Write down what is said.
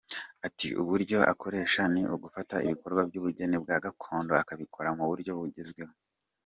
Ati” Uburyo akoresha ni ugufata ibikorwa by’ubugeni bwa gakondo akabikora mu buryo bugezweho.